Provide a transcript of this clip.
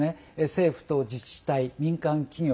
政府と自治体、民間企業